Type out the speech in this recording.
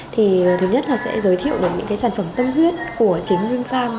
thì thứ nhất là sẽ giới thiệu được những cái sản phẩm tâm huyết của chính vinfarm